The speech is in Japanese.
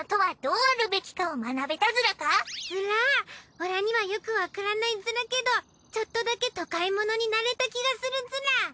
オラにはよくわからないズラけどちょっとだけ都会者になれた気がするズラ。